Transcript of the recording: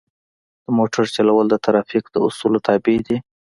د موټر چلول د ترافیک د اصولو تابع دي.